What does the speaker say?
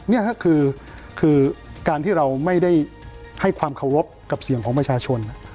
นี่ก็คือการที่เราไม่ได้ให้ความเคารพกับเสียงของประชาชน